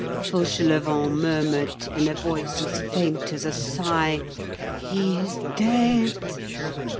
Fauchelevent murmured in a voice as faint as a sigh:— "He is dead!"